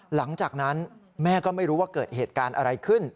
หลังจากนั้นแม่ก็ไม่รู้ว่าเกิดเหตุการณ์อะไรขึ้น